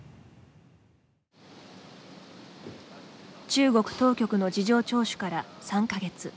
中国当局の事情聴取から３か月。